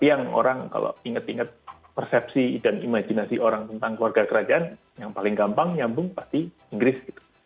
yang orang kalau inget inget persepsi dan imajinasi orang tentang keluarga kerajaan yang paling gampang nyambung pasti inggris gitu